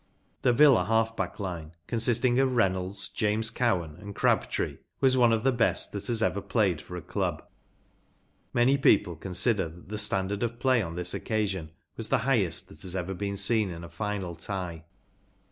T he Villa half back line, consisting of Reynolds, James Cowan, and Crabtree, was one of the best that has ever played for a club. Many people consider that the standard of play on this occasion was the highest that has ever been seen in a final tie.